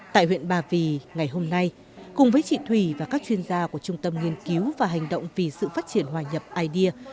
tại huyện ba vì ngày hôm nay cùng với chị thùy và các chuyên gia của trung tâm nghiên cứu và hành động vì sự phát triển hòa nhập idea